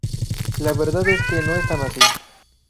La verdad es que no es tan así.